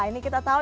ini kita tahu